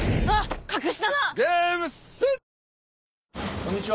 こんにちは！